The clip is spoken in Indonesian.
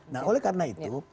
nah oleh karena itu